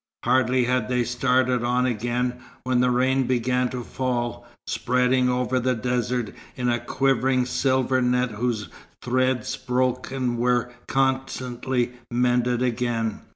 Hardly had they started on again, when rain began to fall, spreading over the desert in a quivering silver net whose threads broke and were constantly mended again.